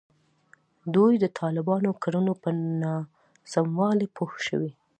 دوی د طالبانو کړنو پر ناسموالي پوه شوي.